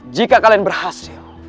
jika kalian berhasil